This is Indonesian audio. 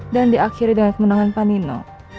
dan diakhiri dengan kemenangan panino